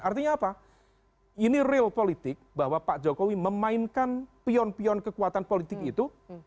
artinya apa ini real politik bahwa pak jokowi memainkan pion pion kekuatan politik itu